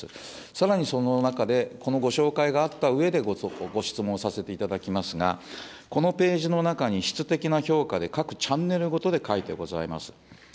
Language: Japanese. さらに、その中で、このご紹介があったうえでご質問させていただきますが、このページの中に、質的な評価で各チャンネルごとで書いてございます。